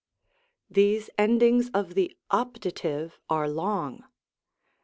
These end ings of the optative are long.